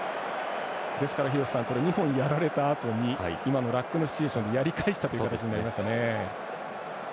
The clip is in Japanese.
ですから、廣瀬さん２本やられたあとにラックのシチュエーションでやり返したことになりましたね。